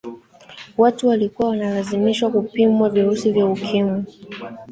watu walikuwa wanalazimishwa kupimwa virusi vya ukimwi